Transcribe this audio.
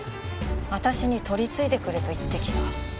私に取り次いでくれと言ってきた。